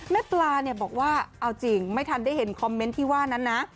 ปลาเนี่ยบอกว่าเอาจริงไม่ทันได้เห็นคอมเมนต์ที่ว่านั้นนะ